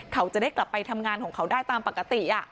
เขาจะได้กลับไปทำงานของเขาได้ตามปกติ